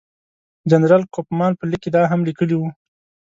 جنرال کوفمان په لیک کې دا هم لیکلي وو.